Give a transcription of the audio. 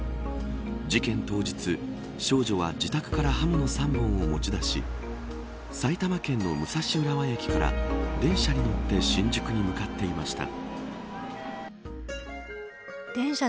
事件当日少女は自宅から刃物３本を持ち出し埼玉県の武蔵浦和駅から電車に乗って新宿に向かっていました。